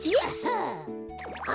あ。